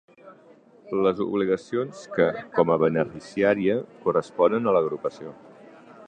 Les obligacions que, com a beneficiària, corresponen a l'agrupació.